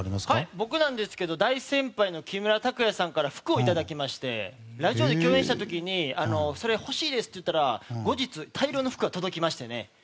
僕は大先輩の木村拓哉さんから服をいただきましてラジオで共演した時にそれ欲しいですって言ったら後日、大量の服が届きましてね。